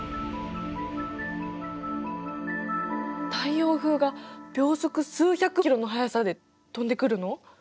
太陽風が秒速数百キロの速さで飛んでくるの？